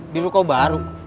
di ruko baru